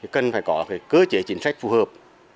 cần phải có cơ chế chính sách phù hợp